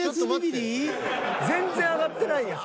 ［全然上がってないやん］